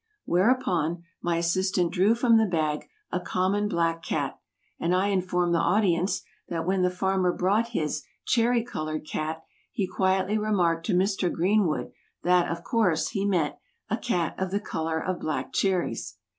Whereupon, my assistant drew from the bag a common black cat, and I informed the audience that when the farmer brought his "cherry colored cat," he quietly remarked to Mr. Greenwood, that, of course, he meant "a cat of the color of black cherries."